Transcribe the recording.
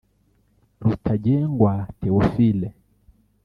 Rutagengwa Théophile